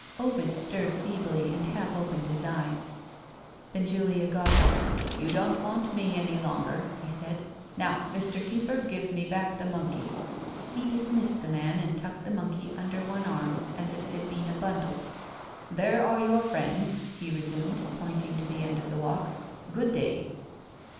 Ovid stirred feebly, and half opened his eyes. Benjulia got up. "You don't want me any longer," he said. "Now, Mr. Keeper, give me back the monkey." He dismissed the man, and tucked the monkey under one arm as if it had been a bundle. "There are your friends," he resumed, pointing to the end of the walk. "Good day!"